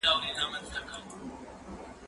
زه اوږده وخت بوټونه پاکوم؟!